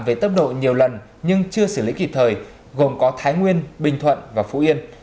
về tốc độ nhiều lần nhưng chưa xử lý kịp thời gồm có thái nguyên bình thuận và phú yên